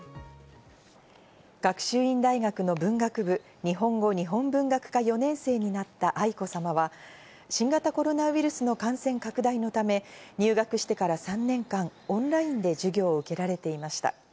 学習院大学の文学部・日本語日本文学科４年生になった愛子さまは、新型コロナウイルスの感染拡大のため入学してから３年間、オンラインで授業を受けられていました。